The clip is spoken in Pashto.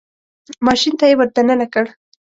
ماشین ته یې ور دننه کړ.